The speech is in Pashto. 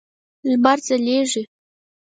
لمر ځلیږی